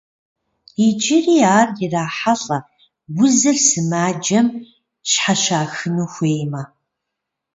Иджыри ар ирахьэлӏэ узыр сымаджэм щхьэщахыну хуеймэ.